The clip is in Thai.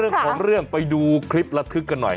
เรื่องของเรื่องไปดูคลิประทึกกันหน่อย